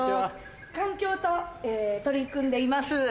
環境と取り組んでいます。